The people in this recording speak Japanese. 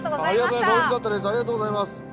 ありがとうございます。